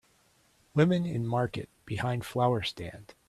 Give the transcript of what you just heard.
Women in market behind flower stand.